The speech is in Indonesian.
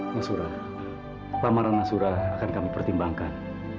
nasura pamaran nasura akan kami pertimbangkan